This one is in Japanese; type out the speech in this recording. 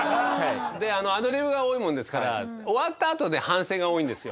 アドリブが多いもんですから終わったあとで反省が多いんですよ。